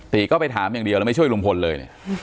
สีก็ไปถามอย่างเดียวแล้วไม่ช่วยรุมพลเลย